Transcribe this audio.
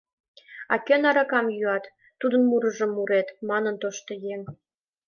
«А кӧн аракам йӱат, тудын мурыжым мурет!» — манын тошто еҥ.